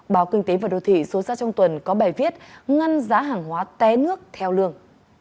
báo kinh tế và đô thị số ra trong tuần có bài viết ngăn giá hàng hóa té nước theo lương